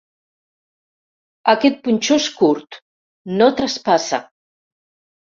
Aquest punxó és curt: no traspassa.